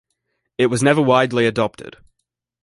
It was never widely adopted.